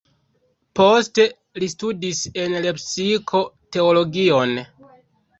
Poste li studis en Lepsiko teologion.